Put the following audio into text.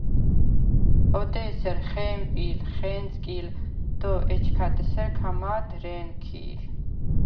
ოდ’ ე̄სერ ხე̄მპი̄ლ, ხე̄ნწკი̄ლ, დო ეჩქად ესერ ქა მა̄დ რე̄ნქი̄ლ.